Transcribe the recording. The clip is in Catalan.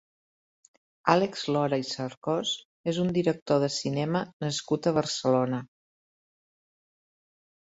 Àlex Lora i Cercós és un director de cinema nascut a Barcelona.